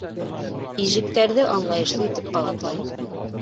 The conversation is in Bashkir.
Ижектәрҙе аңлайышлы итеп ҡабатлай.